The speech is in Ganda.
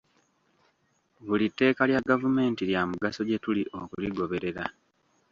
Buli tteeka lya gavumenti lya mugaso gye tuli okuligoberera.